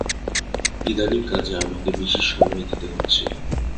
ইদানিং কাজে আমাকে বেশী সময় দিতে হচ্ছে।